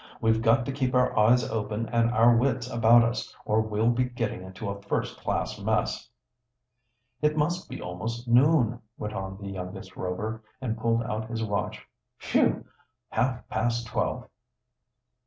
We've got to keep our eyes open and our wits about us, or we'll be getting into a first class mess." "It must be almost noon," went on the youngest Rover, and pulled out his watch. "Phew! Half past twelve!"